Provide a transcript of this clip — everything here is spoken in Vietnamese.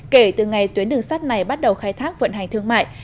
kể từ ngày tuyến đường sắt này bắt đầu khai thác vận hành thương mại